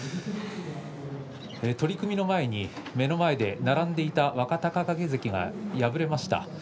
取組の前に目の前で並んでいた若隆景関が敗れました。